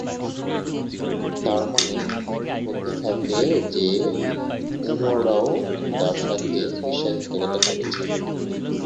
তাঁর মনে হতে থাকে যে উমরাও তাঁর সাথে বিশ্বাসঘাতকতা করেছেন।